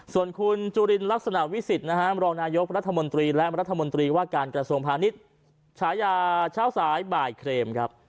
ส่วนคุณจุลินลักษณะวิสิทธิ์นะฮะมรองนายกรัฐมนตรีและรัฐมนตรีว่าการกระทรวงพาณิชย์ฉายาเช้าสายบ่ายเครมครับ